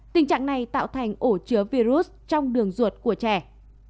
tình trạng này tạo thành ổ chứa virus trong đường ruột của trẻ